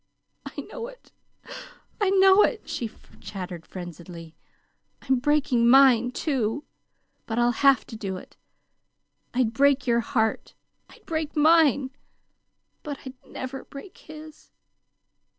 "I know it, I know it," she chattered frenziedly. "I'm breaking mine, too. But I'll have to do it. I'd break your heart, I'd break mine but I'd never break his!"